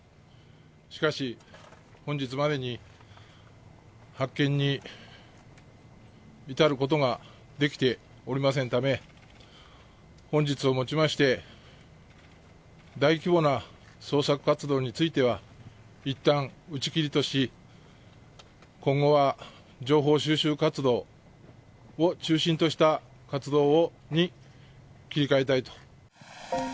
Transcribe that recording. しかし、本日までに発見に至ることができておりませんため、本日をもちまして、大規模な捜索活動については、いったん打ち切りとし、今後は情報収集活動を中心とした活動に切り替えたいと。